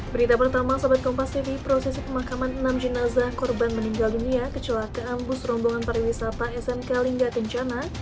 berita pertama sobat kompas cv prosesi pemakaman enam jenazah korban meninggal dunia kecelakaan bus rombongan pariwisata smk lingga kencana